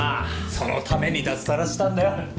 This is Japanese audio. そのために脱サラしたんだよ。